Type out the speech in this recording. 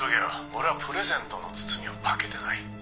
「俺はプレゼントの包みを開けてない」